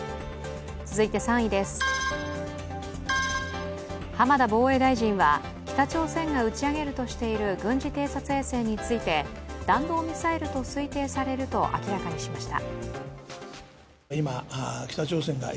続いて３位です、浜田防衛大臣は北朝鮮が打ち上げるとしている軍事偵察衛星について、弾道ミサイルと推定されると明らかにしました。